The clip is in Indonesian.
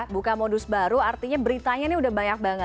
buka modus baru artinya beritanya ini udah banyak banget